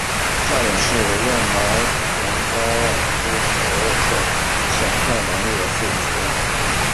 差点是用来量度高尔夫球手潜在能力的数值。